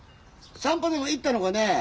散歩でも行ったのかねえ。